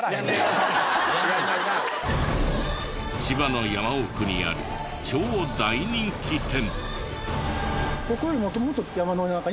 千葉の山奥にある超大人気店。